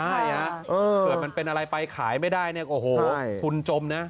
ใช่ถ้าเป็นอะไรไปขายไม่ได้โอ้โหทุนจมนะ